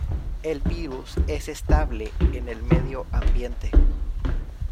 El virus es estable en el medio ambiente.